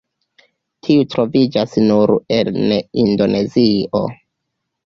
Tiu troviĝas nur en Indonezio.